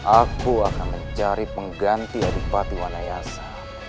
aku akan mencari pengganti adik patiwan ayasa